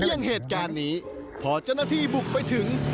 อย่างเหตุการณ์นี้พอเจ้าหน้าที่บุกไปถึง